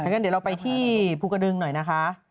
อย่างนั้นเดี๋ยวเราไปที่ภูกรดึงหน่อยนะครับ